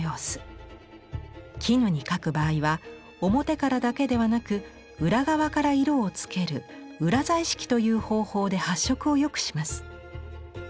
絹に描く場合は表からだけではなく裏側から色を付ける「裏彩色」という方法で発色を良くします。